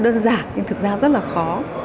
nó đơn giản nhưng thực ra rất là khó